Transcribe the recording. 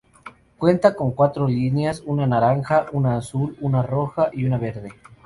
Cuenta con cuatro líneas, una naranja, una azul, una roja y una verde.